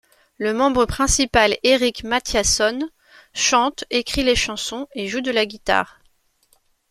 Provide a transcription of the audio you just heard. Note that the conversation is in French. Le membre principal, Erik Mattiasson chante, écrit les chansons et joue de la guitare.